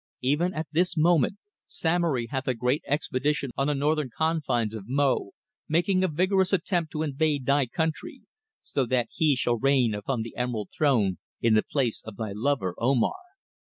Even at this moment Samory hath a great expedition on the northern confines of Mo, making a vigorous attempt to invade thy country, so that he shall reign upon the Emerald Throne in the place of thy lover Omar."